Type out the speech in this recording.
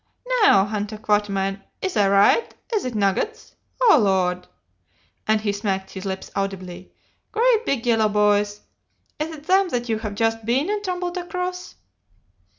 Now, 'unter Quatermain, is I right? is it nuggets? Oh, lor!' and he smacked his lips audibly 'great big yellow boys is it them that you have just been and tumbled across?